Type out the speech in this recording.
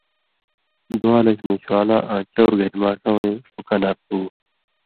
دُوالَش مېشوالہ آں چَؤر گھریۡماشہ وَیں ݜُو کنارٹُو